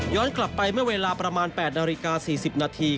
กลับไปเมื่อเวลาประมาณ๘นาฬิกา๔๐นาที